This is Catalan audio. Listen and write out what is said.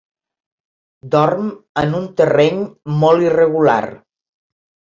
Dorm en un terreny molt irregular.